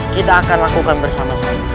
kita akan lakukan bersama sama